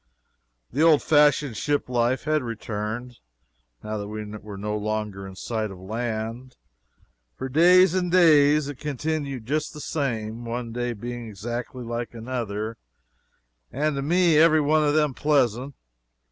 The old fashioned ship life had returned, now that we were no longer in sight of land. For days and days it continued just the same, one day being exactly like another, and, to me, every one of them pleasant.